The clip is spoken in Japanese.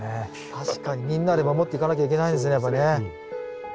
確かにみんなで守っていかなきゃいけないですねやっぱね。